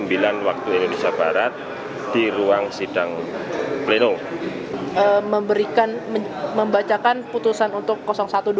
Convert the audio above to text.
pukul sembilan waktu indonesia barat di ruang sidang pleno